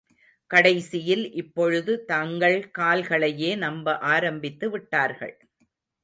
கடைசியில் இப்பொழுது தங்கள் கால்களையே நம்ப ஆரம்பித்து விட்டார்கள்.